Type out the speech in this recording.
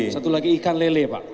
satu lagi ikan lele pak